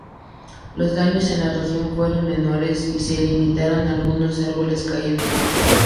Los daños en la región fueron menores y se limitaron a algunos árboles caídos.